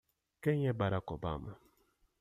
Quem é Barack Obama?